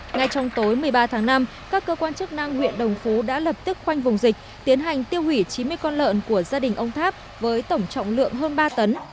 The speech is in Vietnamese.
ngay trong tối một mươi ba tháng năm các cơ quan chức năng huyện đồng phú đã lập tức khoanh vùng dịch tiến hành tiêu hủy chín mươi con lợn của gia đình ông tháp với tổng trọng lượng hơn ba tấn